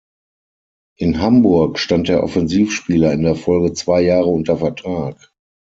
In Hamburg stand der Offensivspieler in der Folge zwei Jahre unter Vertrag.